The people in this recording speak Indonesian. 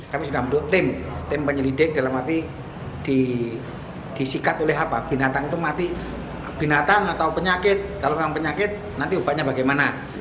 kami menambahkan tim penyelidikan